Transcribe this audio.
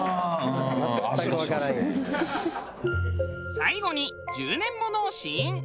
最後に１０年ものを試飲。